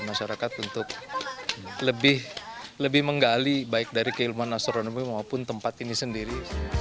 masyarakat untuk lebih menggali baik dari keilmuan astronomi maupun tempat ini sendiri